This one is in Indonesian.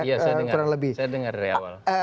iya saya dengar lebih saya dengar dari awal